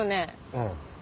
うん。